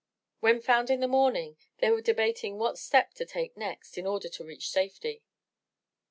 When found in the morning they were debating what step to take next in order to reach safety.